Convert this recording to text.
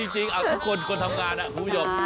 จริงทุกคนคนทำงานนะคุณผู้ชม